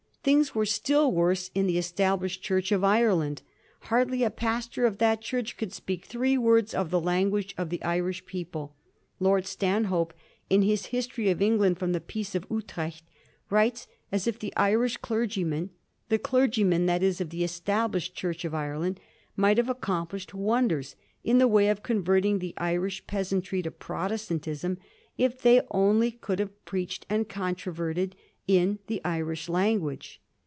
Things were still worse in the Established Church of Ireland. Hardly a pastor of that Church could speak three words of the language of the Irish people. Lord Stanhope, in his " History of England from the Peace of Utrecht," writes as if the Irish clergymen — the clergy men, that is, of the Established Church of Ireland — might have accomplished wonders in the way of converting the Irish peasantry to Protestantism if they only could have preached and controverted in the Irish language.